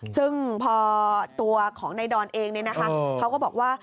ซึ่งพอตัวของนายดอนเองเขาก็บอกว่า